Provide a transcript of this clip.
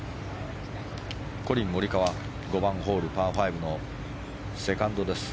コリン・モリカワ５番ホール、パー５のセカンド。